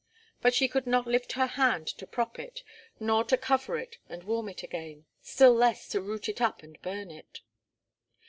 But she could not lift her hand to prop it, nor to cover it and warm it again, still less to root it up and burn it.